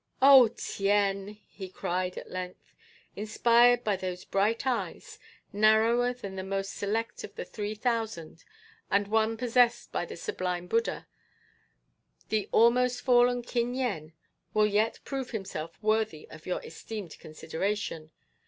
"Oh, Tien," he cried at length, "inspired by those bright eyes, narrower than the most select of the three thousand and one possessed by the sublime Buddha, the almost fallen Kin Yen will yet prove himself worthy of your esteemed consideration.